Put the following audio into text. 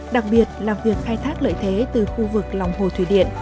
đặc biệt là việc khai thác lợi thế từ khu vực lòng hồ thủy điện